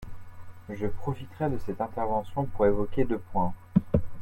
Je profiterai de cette intervention pour évoquer deux points.